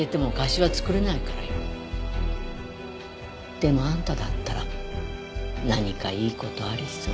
でもあんただったら何かいい事ありそう。